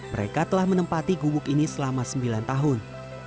mereka telah menempati gubuk ini selama sembilan tahun